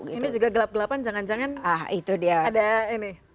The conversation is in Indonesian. ini juga gelap gelapan jangan jangan ada ini